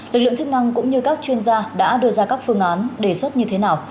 lực lượng chức năng cũng như các chuyên gia đã đưa ra các phương án đề xuất như thế nào